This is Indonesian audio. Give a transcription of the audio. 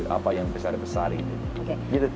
apa yang besar besar ini